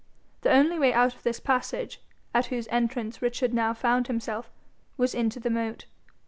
The only way out of this passage, at whose entrance Richard now found himself, was into the moat.